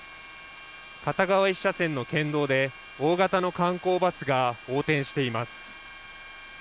片側１車線の県道で大型の観光バスが横転しています。